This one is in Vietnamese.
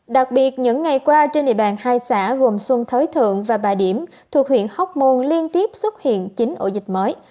đặc biệt những ngày qua trên địa bàn hai xã gồm xuân thới thượng và bà điểm thuộc huyện hóc môn liên tiếp xuất hiện chín ổ dịch mới